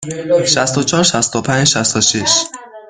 شصت و چهار، شصت و پنج، شصت و شش.